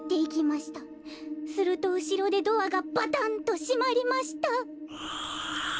すると、後ろでドアがバタン！と閉まりました」。